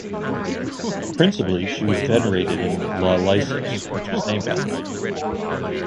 Principally, she was venerated in Ialysos, which was named after her.